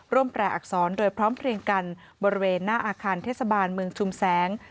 แปลอักษรโดยพร้อมเพลียงกันบริเวณหน้าอาคารเทศบาลเมืองชุมแสง